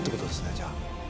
じゃあ。